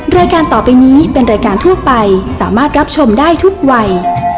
รายการต่อไปนี้เป็นรายการทั่วไปสามารถรับชมได้ทุกวัย